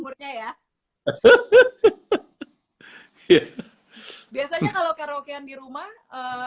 biasanya kalau karaokean di rumah